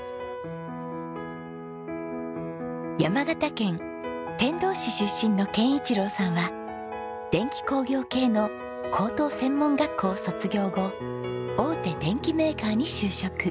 山形県天童市出身の憲一郎さんは電気工業系の高等専門学校を卒業後大手電機メーカーに就職。